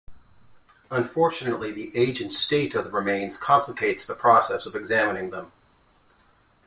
Unfortunately the age and state of the remains complicates the process of examining them.